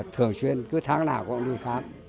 thường xuyên cứ tháng nào cũng đi khám